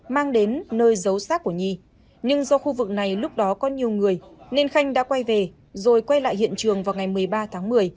mang đến nơi giấu sát của nhi nhưng do khu vực này lúc đó có nhiều người nên khanh đã quay về rồi quay lại hiện trường vào ngày một mươi ba tháng một mươi